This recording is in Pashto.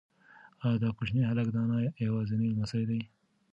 ایا دا کوچنی هلک د انا یوازینی لمسی دی؟